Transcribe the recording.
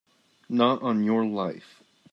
Not on your life!